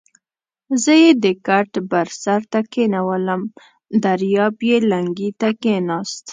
زه یې د کټ بر سر ته کېنولم، دریاب یې لنګې ته کېناست.